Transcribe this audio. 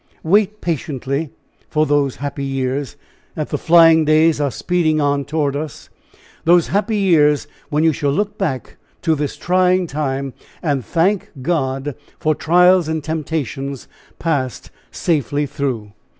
Wait patiently for those happy years, that the flying days are speeding on toward us those happy years, when you shall look back to this trying time, and thank God for trials and temptations passed safely through.